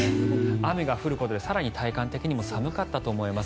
雨が降ることで更に体感的にも寒かったと思います。